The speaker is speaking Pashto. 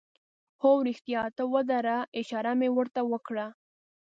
هو، رښتیا ته ودره، اشاره مې ور ته وکړه.